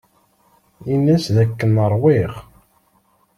Ini-as dakken ṛwiɣ.